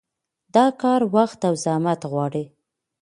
دا کار وخت او زحمت غواړي.